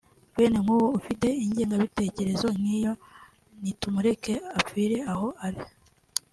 Bene nk’uwo ufite ingengabitekerezo nk’iyo nitumureke apfire aho ari